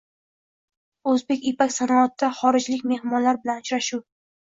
\O‘zbekipaksanoat\"da xorijlik mehmonlar bilan uchrashuvng"